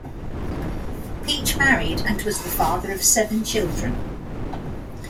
Peach married and was the father of seven children.